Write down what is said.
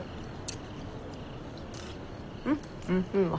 うんおいしいわ。